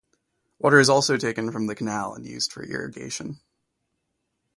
Water is also taken from the canal and used for irrigation.